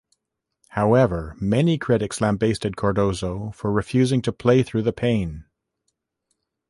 However, many critics lambasted Cardozo for refusing to play through the pain.